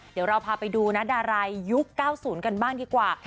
เดี๋ยวเราพาไปดูนะดารายุค๙๐กันบ้างดีกว่า